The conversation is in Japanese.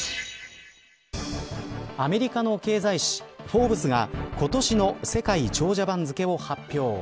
アメリカの経済誌フォーブスが今年の世界長者番付を発表。